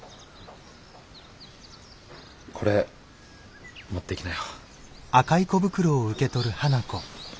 これ持っていきなよ。